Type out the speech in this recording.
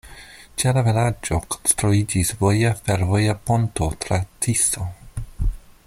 Ĉe la vilaĝo konstruiĝis voja-fervoja ponto tra Tiso.